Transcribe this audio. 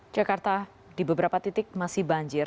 jakarta di beberapa titik masih banjir